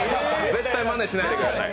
絶対まねしないでください。